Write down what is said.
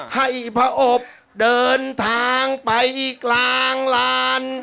ให้พระอบเดินทางไปกลางลาน